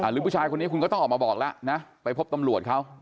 หรือผู้ชายคนนี้คุณก็ต้องออกมาบอกแล้วนะไปพบตำรวจเขา